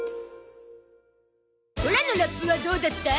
オラのラップはどうだった？